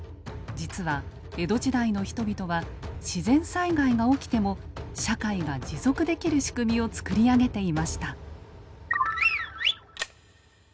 実は江戸時代の人々は自然災害が起きても社会が持続できる仕組みを作り上げていました。